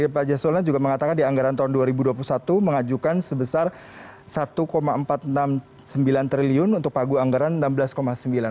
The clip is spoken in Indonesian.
pak jasola juga mengatakan di anggaran tahun dua ribu dua puluh satu mengajukan sebesar rp satu empat ratus enam puluh sembilan triliun untuk pagu anggaran rp enam belas sembilan triliun